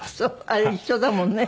あれ一緒だもんね。